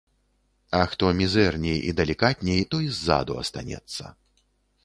А хто мізэрней і далікатней, той ззаду астанецца.